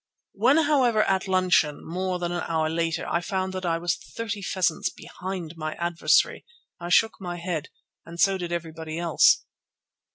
When, however, at luncheon, more than an hour later, I found that I was thirty pheasants behind my adversary, I shook my head, and so did everybody else.